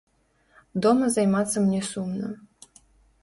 Дома займацца мне сумна.